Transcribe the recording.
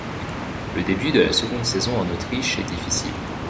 Le début de la seconde saison en Autriche est difficile.